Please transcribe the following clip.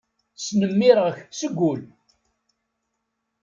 Snemmireɣ-k seg wul.